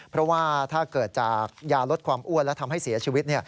เพราะว่าถ้าเกิดจากยาลดความอ้วนและทำให้เสียชีวิต